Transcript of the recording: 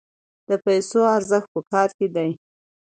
د پیسو ارزښت په کار کې دی.